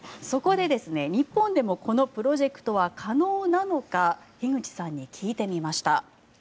そこで日本でもこのプロジェクトは可能なのか樋口さんに聞いてみました。